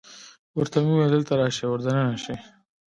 ورته مې وویل: دلته راشئ، ور دننه شئ.